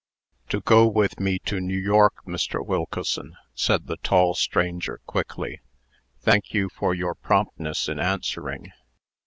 "To go with me to New York, Mr. Wilkeson," said the tall stranger, quickly. "Thank you for your promptness in answering.